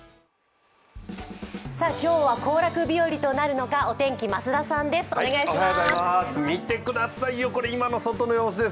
今日は行楽日和となるのかお天気は増田さんです。